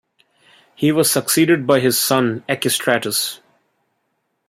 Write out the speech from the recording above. He was succeeded by his son Echestratus.